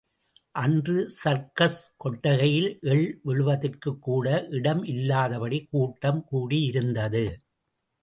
அன்று சர்க்கஸ் கொட்டகையில் எள் விழுவதற்குக் கூட இடம் இல்லாதபடி கூட்டம் கூடியிருந்தது.